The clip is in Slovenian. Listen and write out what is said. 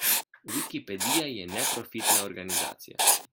Wikipedija je neprofitna organizacija.